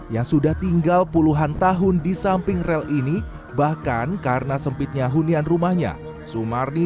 yang sudah tinggal puluhan tahun di samping rel ini bahkan karena sempitnya hunian rumahnya sumarni